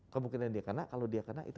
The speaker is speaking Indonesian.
kemungkinan dia kena kalau dia kena itu